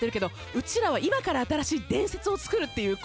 うちらは今から新しい伝説をつくるって。